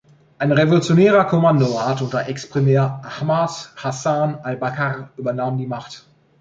Ein Revolutionärer Kommandorat unter Ex-Premier Ahmad Hasan al-Bakr übernahm die Macht.